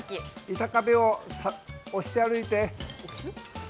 板壁を押して歩いて。